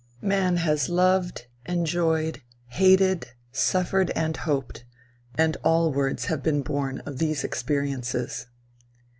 Man has loved, enjoyed, hated, suffered and hoped, and all words have been born of these experiences.